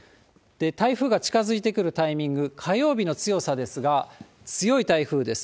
台風が近づいてくるタイミング、火曜日の強さですが、強い台風です。